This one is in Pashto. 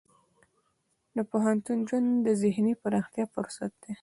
د پوهنتون ژوند د ذهني پراختیا فرصت دی.